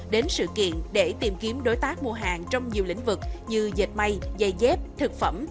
đến sự kiện để tìm kiếm đối tác mua hàng trong nhiều lĩnh vực như dệt may dây dép thực phẩm